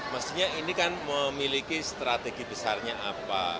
mestinya ini kan memiliki strategi besarnya apa